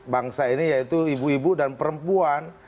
bangsa ini yaitu ibu ibu dan perempuan